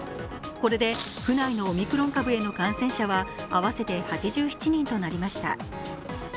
これで府内のオミクロン株への感染者は合わせて８７人となりました。